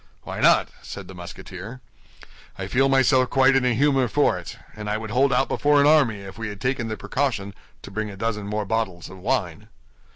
"Why not?" said the Musketeer. "I feel myself quite in a humor for it; and I would hold out before an army if we had taken the precaution to bring a dozen more bottles of wine."